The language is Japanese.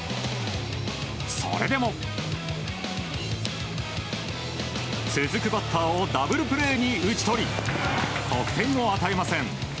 それでも、続くバッターをダブルプレーに打ち取り得点を与えません。